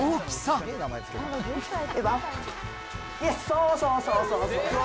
そうそうそうそう。